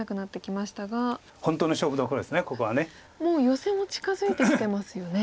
ヨセも近づいてきてますよね。